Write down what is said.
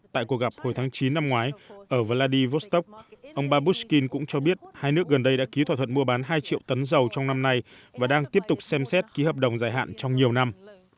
tại cuộc gặp hồi tháng chín năm ngoái ở vladivostok ông babushkin cũng cho biết hai nước gần đây đã ký thỏa thuận mua bán hai triệu tấn dầu trong năm nay và đang tiếp tục xem xét ký hợp đồng dài hạn trong nhiều năm